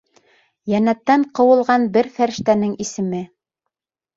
Йәннәттән ҡыуылған бер фәрештәнең исеме.